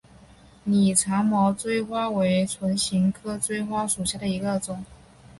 拟长毛锥花为唇形科锥花属下的一个种。